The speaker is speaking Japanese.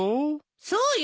そうよ！